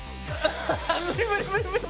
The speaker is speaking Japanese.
ああ無理無理無理無理。